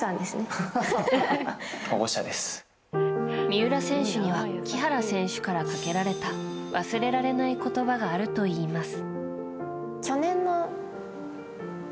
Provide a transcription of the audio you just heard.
三浦選手には木原選手からかけられた忘れられない言葉があるといいます。